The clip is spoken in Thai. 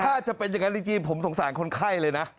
ถ้าจะเป็นอย่างนั้นจริงผมสงสารคนไข้เลยนะ